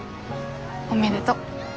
おめでと。